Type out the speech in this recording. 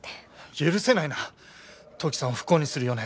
許せないな土岐さんを不幸にするような奴。